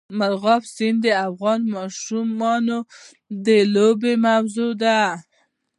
مورغاب سیند د افغان ماشومانو د لوبو موضوع ده.